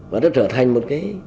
và nó trở thành một cái